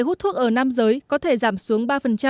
hút thuốc ở nam giới có thể giảm xuống ba